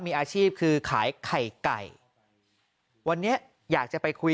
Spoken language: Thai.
มีอาชีพคือขายไข่ไก่วันนี้อยากจะไปคุย